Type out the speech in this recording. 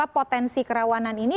potensi kerawanan ini